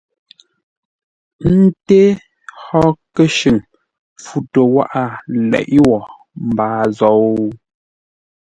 Ńté hó kə́shʉŋ pfutə́ wághʼə leʼé wo mbaa zou?